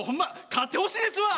勝ってほしいですわ！